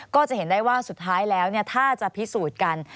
ก็จะเห็นได้ว่าสุดท้ายแล้วถ้าจะพิสูจน์กัน